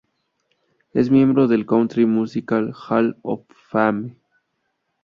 Es miembro del Country Music Hall of Fame.